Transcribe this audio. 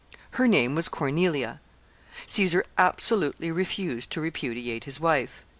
Her name was Cornelia. Caesar absolutely refused to repudiate his wife.